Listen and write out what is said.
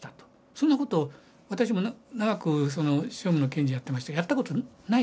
そんなこと私も長く訟務の検事やってましたけどやったことない。